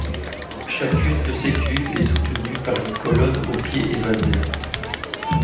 Chacune de ces cuves est soutenue par une colonne aux pieds évasés.